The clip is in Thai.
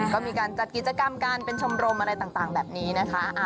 ก็มีการจัดกิจกรรมกันเป็นชมรมอะไรต่างแบบนี้นะคะ